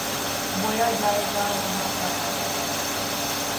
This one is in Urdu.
بویا جائے گا، وہاں کاٹا جائے گا۔